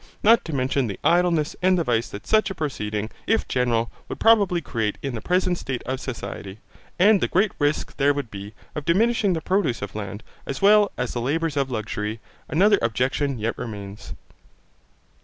Not to mention the idleness and the vice that such a proceeding, if general, would probably create in the present state of society, and the great risk there would be, of diminishing the produce of land, as well as the labours of luxury, another objection yet remains.